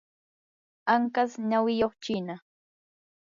anqas nawiyuq chiina.